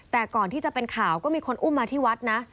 แต่ก่อนที่จะเป็นข่าวก็มีคนอุ้มมาที่วัดนะ